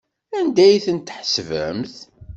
Anda ay tent-tḥesbemt?